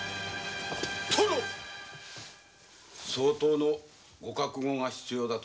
殿相当のご覚悟が必要かと。